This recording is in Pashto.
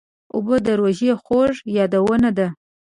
اوبه د روژې خوږ یادونه ده.